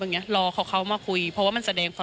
อ่าเดี๋ยวฟองดูนะครับไม่เคยพูดนะครับ